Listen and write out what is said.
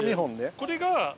これが。